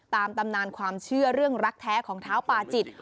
ตามตำนานความเชื่อเรื่องรักแท้ของเท้าปาจิต